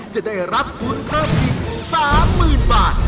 จะได้รับทุนเพิ่มอีก๓๐๐๐บาท